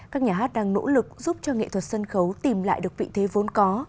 các nhà hát đang nỗ lực giúp cho nghệ thuật sân khấu tìm lại được vị thế vốn có